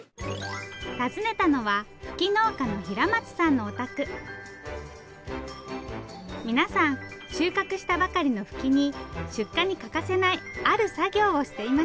訪ねたのはフキ農家の平松さんのお宅皆さん収穫したばかりのフキに出荷に欠かせないある作業をしていました。